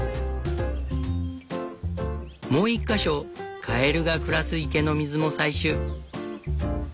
もう１か所カエルが暮らす池の水も採取。